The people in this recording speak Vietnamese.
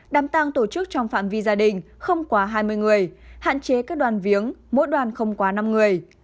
đàm tăng tổ chức trong phạm vi gia đình không quá hai mươi người hạn chế các đoàn viếng mỗi đoàn không quá năm người